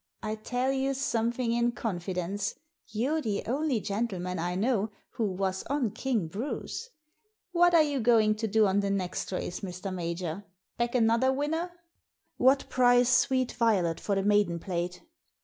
I tell you something in confidence. You're the only gentleman I know who was on King Bruce. What are you going to do on the next race, Mr. Major ? Back another winner ?" "What price Sweet Violet for the Maiden Plate?